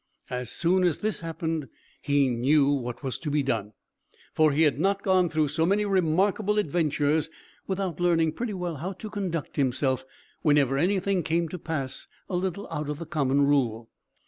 As soon as this happened, he knew what was to be done; for he had not gone through so many remarkable adventures without learning pretty well how to conduct himself, whenever anything came to pass a little out of the common rule.